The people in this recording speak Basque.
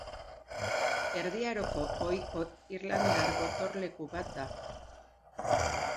Erdi Aroko ohiko irlandar gotorleku bat da.